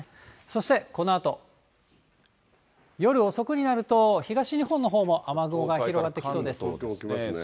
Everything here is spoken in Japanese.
そして、このあと夜遅くになると、東日本のほうも雨雲が広がってきそうです。